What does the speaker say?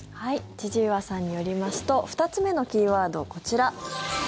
千々岩さんによりますと２つ目のキーワード、こちら。